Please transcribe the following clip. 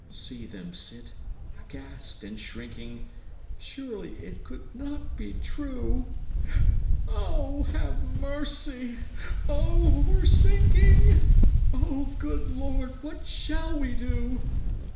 See them sit, aghast and shrinking! Surely it could not be true! "Oh, have mercy! Oh, we're sinking! Oh, good Lord, what shall we do!"